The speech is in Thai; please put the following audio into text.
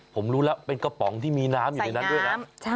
ผมรู้แล้วเป็นกระป๋องที่มีน้ำอยู่ในนั้นด้วยนะ